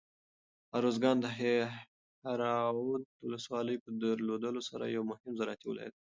ارزګان د دهراود ولسوالۍ په درلودلو سره یو مهم زراعتي ولایت دی.